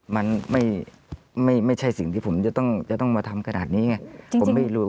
มันไม่ใช่สิ่งที่ผมจะต้องมาทำขนาดนี้ไงผมไม่รู้